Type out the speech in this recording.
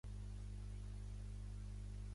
Actualment és resident de Pago Pago.